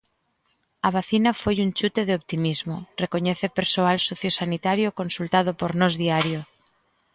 "A vacina foi un chute de optimismo", recoñece persoal sociosanitario consultado por Nós Diario.